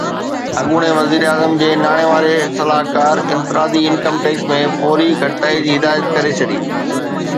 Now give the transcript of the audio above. اڳوڻي وزيراعظم جي ناڻي واري صلاحڪار انفرادي انڪم ٽيڪس ۾ فوري گهٽتائي جي هدايت ڪري ڇڏي